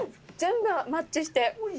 全部マッチして。